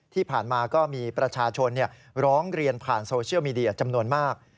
ที่ผ่านมาก็มีประชาชนร้องเรียนผ่านโซเชียลมีเดียจำนวนมาก